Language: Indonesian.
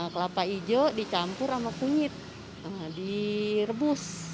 kelapa hijau dicampur sama kunyit direbus